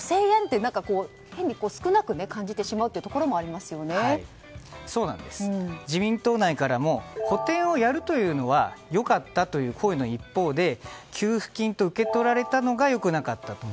５０００円？って変に少なく感じてしまうところも自民党内からも補てんをやるというのは良かったという声の一方で給付金と受け取られたのが良くなかった。